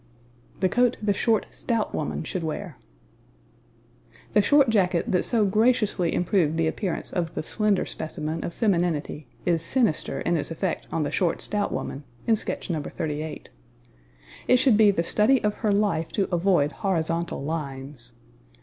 The Coat the Short Stout Woman should Wear. The short jacket that so graciously improved the appearance of the slender specimen of femininity is sinister in its effect on the short, stout woman, in sketch No. 38. It should be the study of her life to avoid horizontal lines.